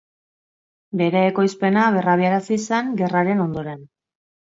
Bere ekoizpena berrabiarazi zen gerraren ondoren.